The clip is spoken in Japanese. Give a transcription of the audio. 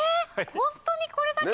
ホントにこれだけで？